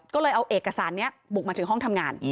ก็เลยเอาเอกสารนี้บุกมาถึงห้องทำงาน